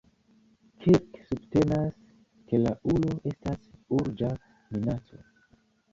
Kirk subtenas, ke la ulo estas urĝa minaco.